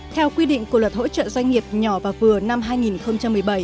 theo quy định của luật hỗ trợ doanh nghiệp nhỏ và vừa năm hai nghìn một mươi bảy